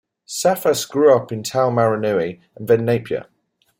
Psathas grew up in Taumarunui and then Napier.